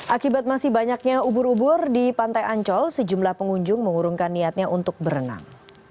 akibat masih banyaknya ubur ubur di pantai ancol sejumlah pengunjung mengurungkan niatnya untuk berenang